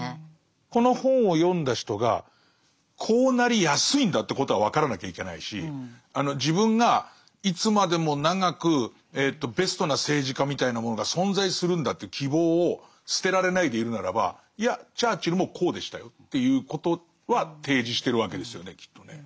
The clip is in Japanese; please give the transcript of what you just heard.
この本を読んだ人がこうなりやすいんだということは分からなきゃいけないし自分がいつまでも長くベストな政治家みたいなものが存在するんだという希望を捨てられないでいるならばいやチャーチルもこうでしたよっていうことは提示してるわけですよねきっとね。